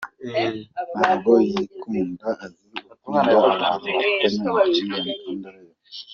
Ntabwo yikunda , azi kunga abantu bafitanye amakimbirane kandi areba kure.